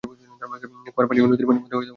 কুয়ার পানি নদীর পানির মতো গরম নয়, খুব ঠাণ্ডা।